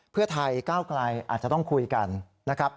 เพื่อไทยก้าวไกลอาจจะต้องคุยกันนะครับ